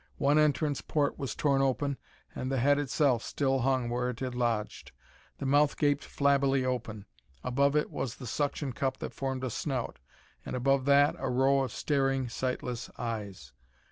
One entrance port was torn open, and the head itself still hung where it had lodged. The mouth gaped flabbily open; above it was the suction cup that formed a snout; and above that, a row of staring, sightless eyes.